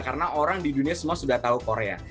karena orang di dunia semua sudah tahu korea